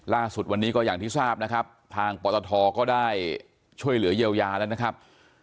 ล่าสุดวันนี้ก็อย่างที่ทราบนะครับทางปตทก็ได้ช่วยเหลือเยียวยาแล้วนะครับ